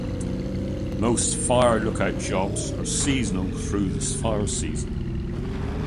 Most fire lookout jobs are seasonal through the fire season.